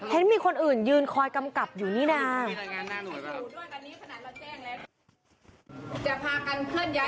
เห็นมีคนอื่นยืนคอยกำกับอยู่นี่นะ